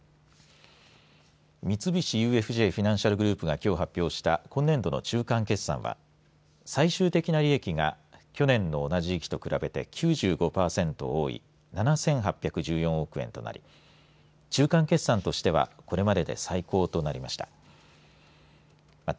三菱ＵＦＪフィナンシャル・グループがきょう発表した今年度の中間決算は最終的な利益が去年の同じ時期と比べて９５パーセント多い７８１４億円となり中間決算としてはこれまでで最高となりました。